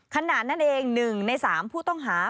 ขณะนั้นเอง๑ใน๓ผู้ต้องหา